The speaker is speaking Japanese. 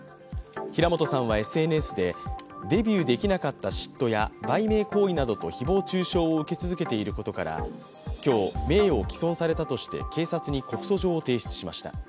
平本さんはＳＮＳでデビューできなかった嫉妬や売名行為などと誹謗中傷を受け続けていることから、今日、名誉を毀損されたとして警察に告訴状を提出しました。